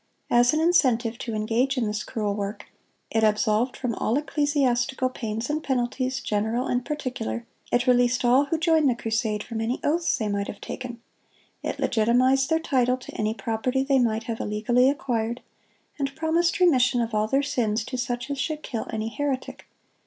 As an incentive to engage in this cruel work, it "absolved from all ecclesiastical pains and penalties, general and particular; it released all who joined the crusade from any oaths they might have taken; it legitimatized their title to any property they might have illegally acquired; and promised remission of all their sins to such as should kill any heretic.